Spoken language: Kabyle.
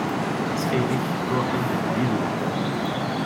Ttxil-k ṛuḥ-d di lweqt.